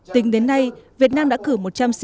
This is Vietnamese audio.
tính đến nay việt nam đã đạt được những trải nghiệm